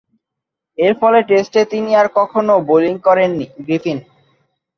এরফলে টেস্টে তিনি আর কখনও বোলিং করেননি গ্রিফিন।